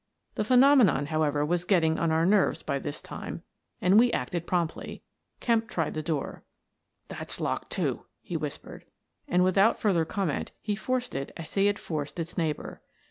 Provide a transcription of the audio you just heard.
The phenomenon, however, was getting on our nerves by this time and we acted promptly. Kemp tried the door. " That's locked, too," he whispered. And, with out further comment, he forced it as he had forced its neighbour.